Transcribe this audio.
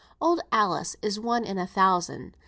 "Old Alice is one in a thousand.